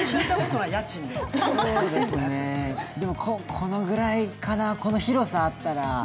このぐらいかな、この広さだったら。